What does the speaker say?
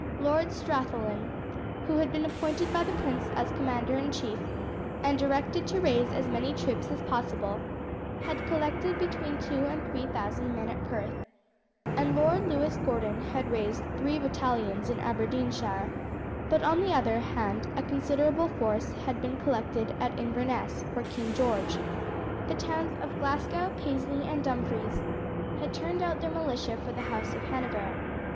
Lord Strathallan, who had been appointed by the prince as commander in chief, and directed to raise as many troops as possible, had collected between two and three thousand men at Perth, and Lord Lewis Gordon had raised three battalions in Aberdeenshire; but on the other hand a considerable force had been collected at Inverness for King George. The towns of Glasgow, Paisley, and Dumfries had turned out their militia for the house of Hanover.